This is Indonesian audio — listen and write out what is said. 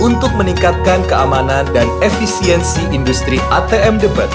untuk meningkatkan keamanan dan efisiensi industri atm debat